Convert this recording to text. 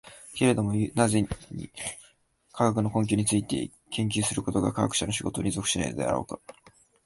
けれども何故に、科学の根拠について研究することが科学者の仕事に属しないのであろうか。